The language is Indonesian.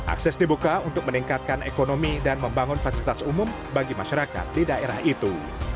akses dibuka untuk meningkatkan ekonomi dan membangun fasilitas umum bagi masyarakat di daerah itu